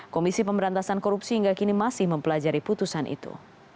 komisi pemberantasan korupsi hingga kini masih mempelajari putusan itu